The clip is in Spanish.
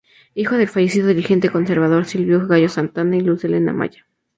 Hijo de fallecido dirigente conservador Silvio Gallo Santa y Luz Helena Maya.